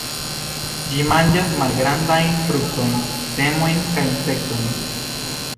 Ĝi manĝas malgrandajn fruktojn, semojn kaj insektojn.